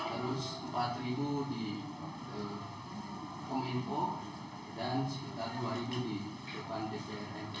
terus empat di komimpo dan sekitar dua di depan dpr npr